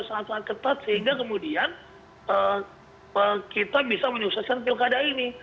sangat sangat ketat sehingga kemudian kita bisa menyukseskan pilkada ini